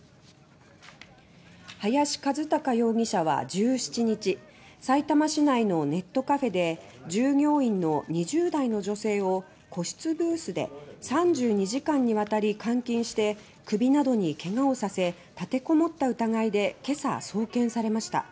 林一貴容疑者は１７日さいたま市内のネットカフェで従業員の２０代の女性を個室ブースで３２時間にわたり監禁して首などにけがをさせ立てこもった疑いでけさ、送検されました。